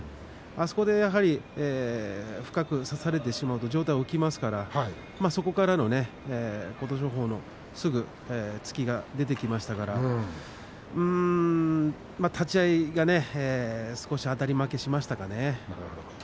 そこでやはり深く差されてしまうと上体が起きますからそこからのね琴勝峰の突きがすぐ出てきましたから立ち合いが少しあたり負けしましたかね。